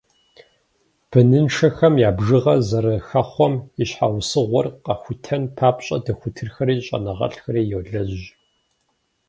Быныншэхэм я бжыгъэр зэрыхэхъуэм и щхьэусыгъуэр къахутэн папщӏэ дохутырхэри щӏэныгъэлӏхэри йолэжь.